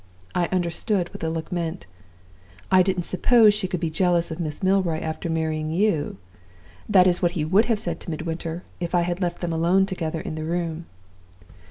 I understood what the look meant. 'I didn't suppose she could be jealous of Miss Milroy after marrying you!' That is what he would have said to Midwinter, if I had left them alone together in the room!